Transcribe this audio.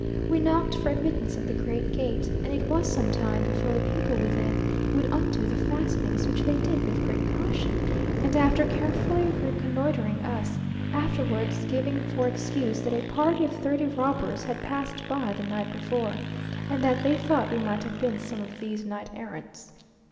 We knocked for admittance at the great gate, and it was some time before the people within would undo the fastenings, which they did with great caution, and after carefully reconnoitring us; afterwards giving for excuse, that a party of thirty robbers had passed by the night before, and that they thought we might have been some of these night errants.